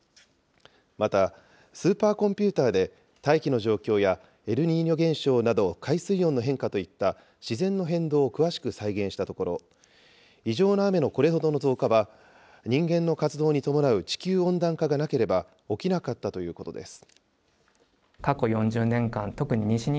またスーパーコンピューターで、大気の状況やエルニーニョ現象など海水温の変化といった自然の変動を詳しく再現したところ、異常な雨のこれほどの増加は、人間の活動に伴う地球温暖化がなければ起きなかったということです。